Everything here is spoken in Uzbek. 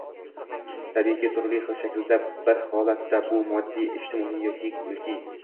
tabiiyki, turli xil shaklda: bir holatda bu moddiy, ijtimoiy yoki mulkiy